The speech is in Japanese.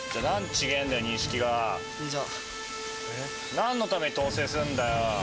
何のために統制すんだよ？